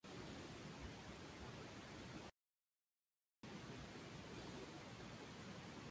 Nin de Cardona padece la enfermedad de Crohn.